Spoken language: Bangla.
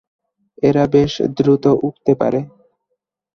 এরা বেশ দ্রুত উড়তে পারে।